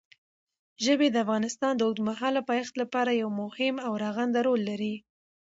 ژبې د افغانستان د اوږدمهاله پایښت لپاره یو مهم او رغنده رول لري.